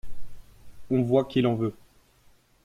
On voit qu’il en veut.